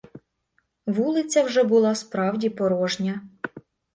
Вулиця вже була справді порожня.